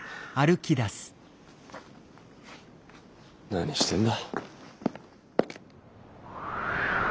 何してんだ。